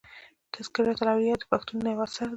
" تذکرة الاولیاء" د پښتو یو نثر دﺉ.